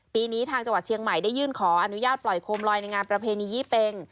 ปีนี้ทางจังหวัดเชียงใหม่ได้ยื่นขออนุญาตปล่อยโคมลอยในงานประเพณียี่เป็ง